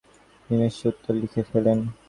তিনি লিখতে বসেন এবং এক নিমেষে উত্তর লিখে ফেলেন।